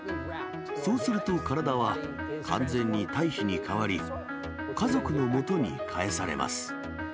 そうすると、体は完全に堆肥に変わり、家族の元に返されます。